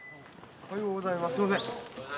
おはようございます。